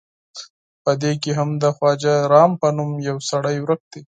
په دې کې هم د خواجه رام په نوم یو سړی ورک دی.